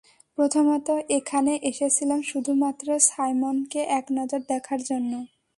প্রথমত, এখানে এসেছিলাম শুধুমাত্র সাইমনকে এক নজর দেখার জন্য।